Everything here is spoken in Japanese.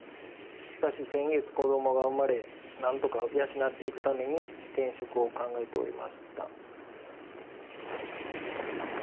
しかし先月子供が産まれ何とか養っていくために転職を考えておりました」。